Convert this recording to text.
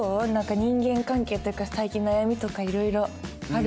人間関係とか最近悩みとかいろいろある？